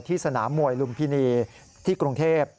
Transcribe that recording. สนามมวยลุมพินีที่กรุงเทพ